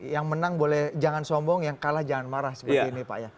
yang menang boleh jangan sombong yang kalah jangan marah seperti ini pak ya